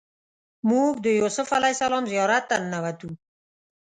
موږ د یوسف علیه السلام زیارت ته ننوتو.